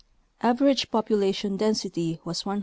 Average population density was 103,000.